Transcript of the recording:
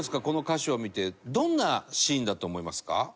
この歌詞を見てどんなシーンだと思いますか？